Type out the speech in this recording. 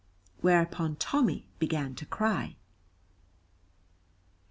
Whereupon Tommy began to cry.